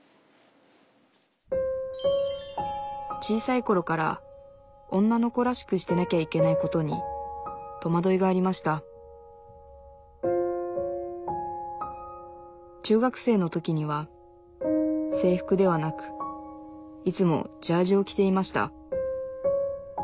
小さいころから女の子らしくしてなきゃいけないことにとまどいがありました中学生の時には制服ではなくいつもジャージを着ていました